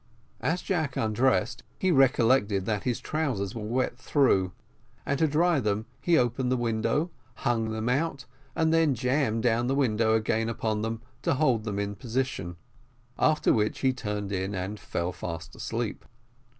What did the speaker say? As Jack undressed, he recollected that his trousers were wet through, and to dry them he opened the window, hung them out, and then jammed down the window again upon them, to hold them in their position, after which he turned in and fell fast asleep.